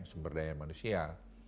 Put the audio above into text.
sumber daya manusia